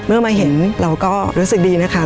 เมื่อมาเห็นเราก็รู้สึกดีนะค่ะ